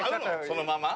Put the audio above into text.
そのまま。